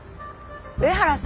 上原さん